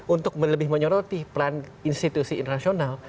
untuk lebih menyoroti peran institusi internasional